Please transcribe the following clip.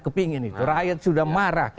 kepingin itu rakyat sudah marah